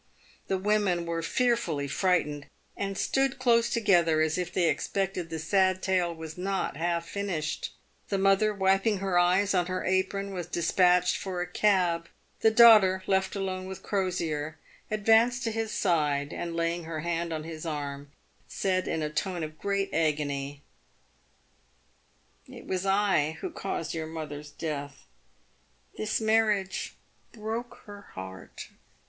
The women were fearfully frightened, and stood close together, as if they expected the sad tale was not half finished. The mother, wiping her eyes on her apron, was despatched for a cab. The daughter, left alone with Crosier, advanced to his side, and, laying her hand on his arm, said, in a tone of great agony, " It was I 330 PAVED WITH GOLD. who caused jour mother's death ! This marriage broke her heart